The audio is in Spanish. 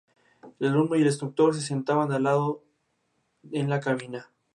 El alumno y el instructor se sentaban lado a lado en la cabina.